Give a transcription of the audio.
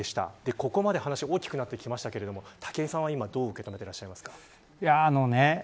ここまで話が大きくなってきましたが武井さんは、どう受け止めてらっしゃいますか。